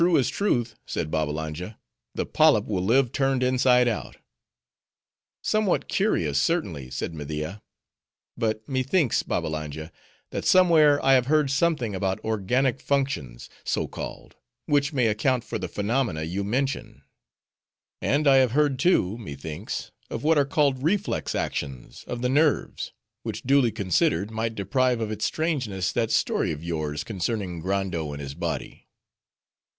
"True as truth," said Babbalanja; "the Polyp will live turned inside out." "Somewhat curious, certainly," said Media.—"But me thinks, Babbalanja, that somewhere I have heard something about organic functions, so called; which may account for the phenomena you mention; and I have heard too, me thinks, of what are called reflex actions of the nerves, which, duly considered, might deprive of its strangeness that story of yours concerning Grande and his body."